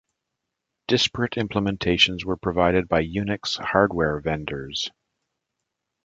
Disparate implementations were provided by Unix hardware vendors.